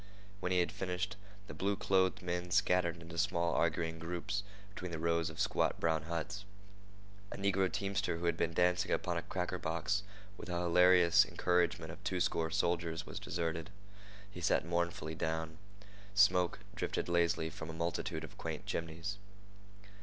When he had finished, the blue clothed men scattered into small arguing groups between the rows of squat brown huts. A negro teamster who had been dancing upon a cracker box with the hilarious encouragement of twoscore soldiers was deserted. He sat mournfully down. Smoke drifted lazily from a multitude of quaint chimneys.